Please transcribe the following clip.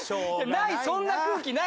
ないそんな空気ないから。